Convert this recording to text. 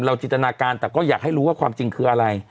จินตนาการแต่ก็อยากให้รู้ว่าความจริงคืออะไร